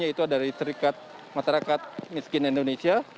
yaitu dari serikat masyarakat miskin indonesia